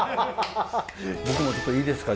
僕もちょっといいですか？